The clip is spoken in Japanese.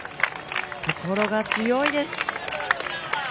心が強いです！